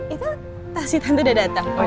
itu tasitante udah datang